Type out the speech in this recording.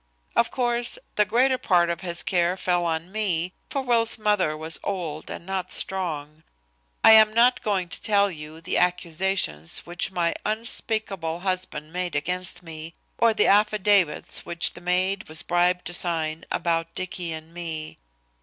"Of course, the greater part of his care fell on me, for Will's mother was old and not strong. I am not going to tell you the accusations which my unspeakable husband made against me, or the affidavits which the maid was bribed to sign about Dicky and me.